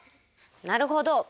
なるほど。